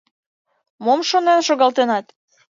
— Мом шонен шогалтенат?